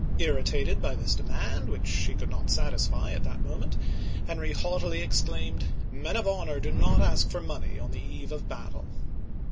Irritated by this de mand, which he could not satisfy at that moment, Henry haughtily exclaimed: "Men of honor do not ask for money on the eve of battle!'